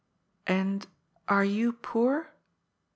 " And are you poor